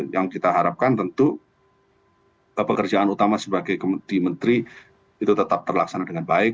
yang kita harapkan tentu pekerjaan utama sebagai di menteri itu tetap terlaksana dengan baik